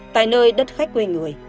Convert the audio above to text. tại nơi đất khách quê người